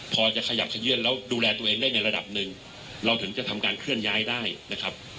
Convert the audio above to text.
พอจะขยับขยื่นแล้วดูแลตัวเองได้ในระดับหนึ่งเราถึงจะทำการเคลื่อนย้ายได้นะครับ